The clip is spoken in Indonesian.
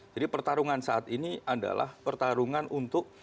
jadi pertarungan saat ini adalah pertarungan untuk